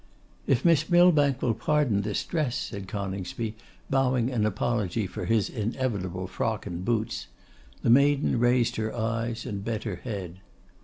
'If Miss Millbank will pardon this dress,' said Coningsby, bowing an apology for his inevitable frock and boots; the maiden raised her eyes and bent her head.